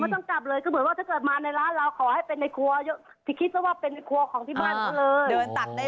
ถ้าเกิดมาในร้านเราขอให้เป็นในครัว